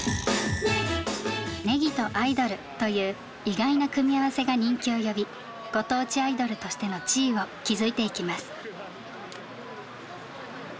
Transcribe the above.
ネギとアイドルという意外な組み合わせが人気を呼びご当地アイドルとしての地位を築いていきます。